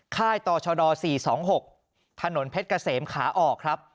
ค่ายต่อชด๔๒๖ถนนเพชรเกษมขาออกครับ